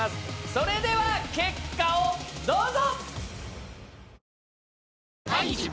それでは結果をどうぞ！